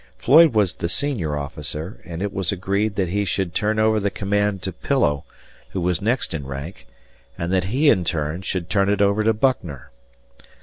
Floyd was the senior officer, and it was agreed that he should turn over the command to Pillow, who was next in rank, and that he, in turn, should turn it over to Buckner.